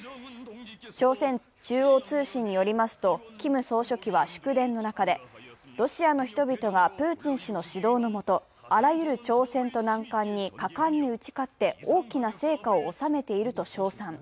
朝鮮中央通信によりますとキム総書記は祝電の中でロシアの人々がプーチン氏の指導のもと、あらゆる挑戦と難関に果敢に打ち勝って大きな成果を収めていると称賛。